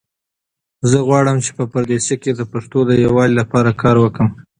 زه غواړم چې په پردیسۍ کې د پښتنو د یووالي لپاره کار وکړم.